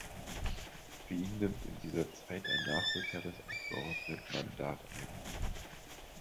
Für ihn nimmt in dieser Zeit ein Nachrücker das Abgeordnetenmandat ein.